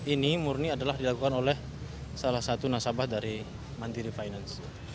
ini murni adalah dilakukan oleh salah satu nasabah dari mandiri finance